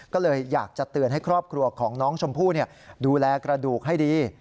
ก็เลยอยากจะเตือนให้ครอบครัวของน้องชมพู่ดูแลกระดูกให้ดี